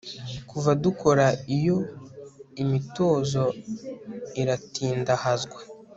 kuva dukora iyo imitozo iratindahazwa